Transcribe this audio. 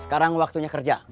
sekarang waktunya kerja